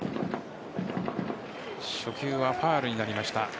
初球はファウルになりました。